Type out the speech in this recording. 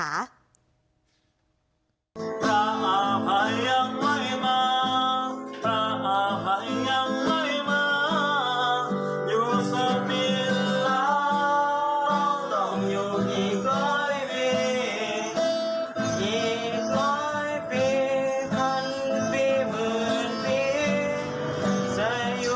จะอยู่ตรงนี้อยู่เป็นตำมา